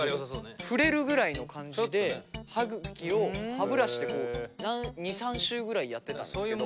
触れるぐらいの感じで歯ぐきを歯ブラシでこう２３周ぐらいやってたんですけど。